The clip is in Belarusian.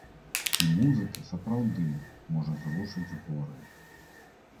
І музыка сапраўды можа зрушыць горы.